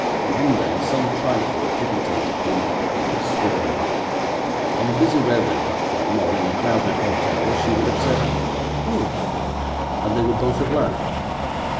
One day some trifle irritated him and he swore. On a busy railway platform, or in a crowded hotel, she would have said, 'Oh!' and they would both have laughed.